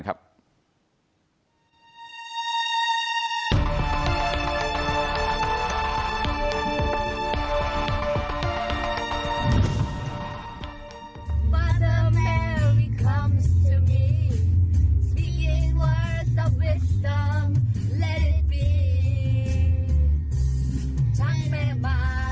ขอบคุณครับ